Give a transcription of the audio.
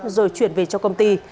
rồi chuyển về cho công ty